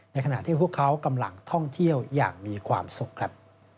ขณะที่พวกเขากำลังท่องเที่ยวอย่างมีความสุขครับ